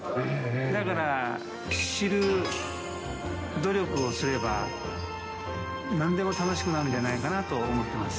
だから、知る努力をすれば、なんでも楽しくなるんじゃないかなと思っています。